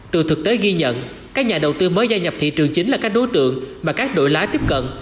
từ thực tế ghi nhận các nhà đầu tư mới gia nhập thị trường chính là các đối tượng mà các đội lái tiếp cận